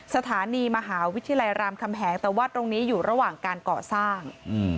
สถานีมหาวิทยาลัยรามคำแหงแต่ว่าตรงนี้อยู่ระหว่างการก่อสร้าง